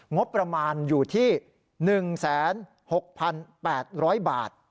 งบประมาณอยู่ที่๑๖๘๐๐บาท